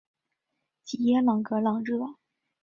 吉耶朗格朗热。